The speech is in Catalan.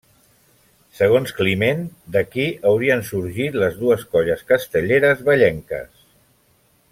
Segons Climent, d’aquí haurien sorgit les dues colles castelleres vallenques.